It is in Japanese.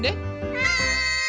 はい！